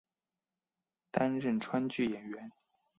担任川剧演员。